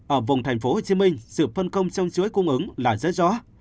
ở vùng thành phố hồ chí minh sự phân công trong chuỗi cung ứng là rất rõ